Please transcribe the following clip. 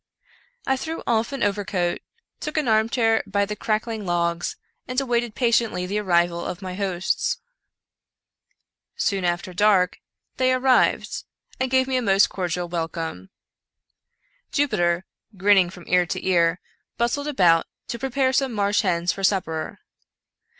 I threw off an overcoat, took an armchair by the crackling logs, and awaited patiently the arrival of my hosts. Soon after dark they arrived, and gave me a most cordial w^elcome. Jupiter, grinning from ear to ear, bustled about to prepare some marsh hens for supper.